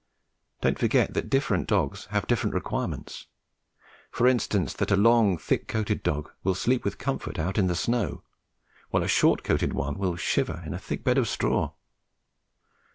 Don't forget that different dogs have different requirements; for instance, that a long thick coated dog will sleep with comfort out in the snow, while a short coated one will shiver in a thick bed of straw.